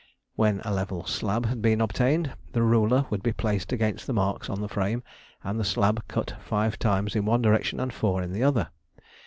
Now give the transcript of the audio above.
When a level slab had been obtained, the ruler would be placed against marks on the frame and the slab cut five times in one direction and four in the other.